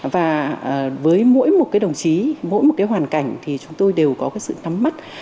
và với mỗi một đồng chí mỗi một hoàn cảnh thì chúng tôi đều có sự thắm mắt